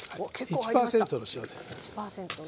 １％の塩です。